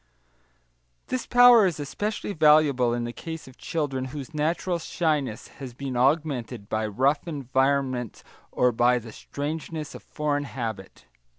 This power is especially valuable in the case of children whose natural shyness has been augmented by rough environment or by the strangeness of foreign habit.